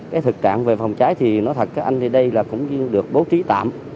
cái thực trạng về phòng cháy thì nói thật các anh thì đây là cũng được bố trí tạm